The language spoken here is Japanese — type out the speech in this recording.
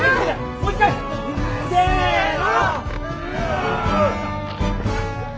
もう一回！せの！